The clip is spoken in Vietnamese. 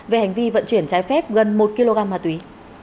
về hành vi vận chuyển trái phép gần một kg ma túy